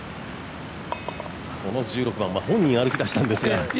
この１６番は本人が歩き出したんですが。